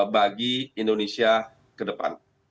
bagi indonesia kedepan